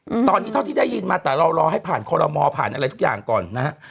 อืมตอนนี้เท่าที่ได้ยินมาแต่เรารอให้ผ่านคอรมอผ่านอะไรทุกอย่างก่อนนะฮะ